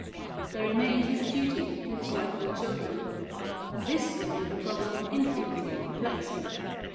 There remained his duty to his wife and children, and this rendered the problem infinitely perplexing.